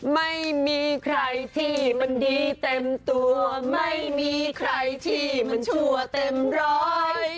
ไม่มีใครที่มันดีเต็มตัวไม่มีใครที่มันชั่วเต็มร้อย